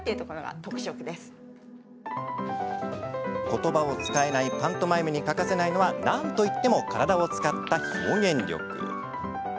ことばを使えないパントマイムに欠かせないのはなんといっても体を使った表現力。